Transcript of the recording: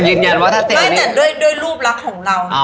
แต่ยืนยันว่าถ้าเซลล์ไม่ไม่แต่ด้วยรูปรักของเรา